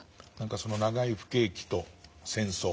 その長い不景気と戦争。